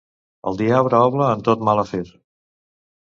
El diable obra en tot mal afer.